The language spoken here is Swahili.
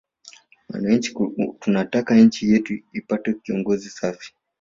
Wananchi tunataka nchi yetu ipate kiongozi safi